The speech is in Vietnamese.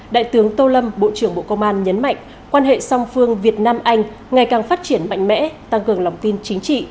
đại tướng tô lâm bộ trưởng bộ công an nhấn mạnh quan hệ song phương việt nam anh ngày càng phát triển mạnh mẽ tăng cường lòng tin chính trị